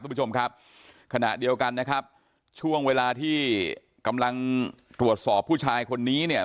คุณผู้ชมครับขณะเดียวกันนะครับช่วงเวลาที่กำลังตรวจสอบผู้ชายคนนี้เนี่ย